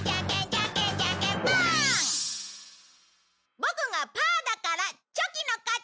ボクがパーだからチョキの勝ち！